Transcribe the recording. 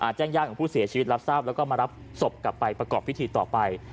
แจ้งญาติของผู้เสียชีวิตรับทราบแล้วก็มารับศพกลับไปประกอบพิธีต่อไป